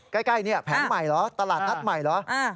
ใกล้เนี่ยแผงใหม่เหรอตลาดนัดใหม่เหรอ